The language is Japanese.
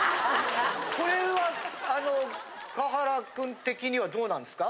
これは川原君的にはどうなんですか？